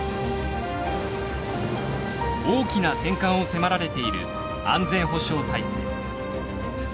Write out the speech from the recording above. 大きな転換を迫られている安全保障体制。